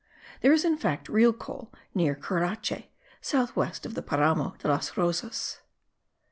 There is in fact real coal near Carache, south west of the Paramo de las Rosas.